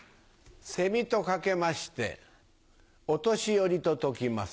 セミと掛けましてお年寄りと解きます。